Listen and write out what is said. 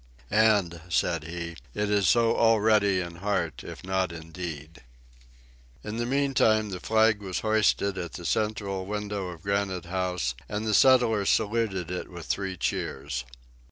"And," said he, "it is so already in heart, if not in deed!" In the meantime, the flag was hoisted at the central window of Granite House, and the settlers saluted it with three cheers.